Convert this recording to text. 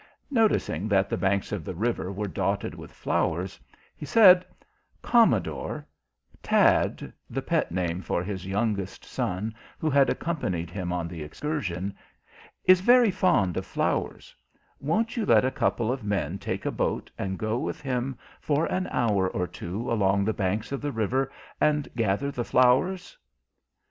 Noticing that the banks of the river were dotted with flowers, he said: "Commodore, Tad (the pet name for his youngest son, who had accompanied him on the excursion) is very fond of flowers; won't you let a couple of men take a boat and go with him for an hour or two, along the banks of the river, and gather the flowers?"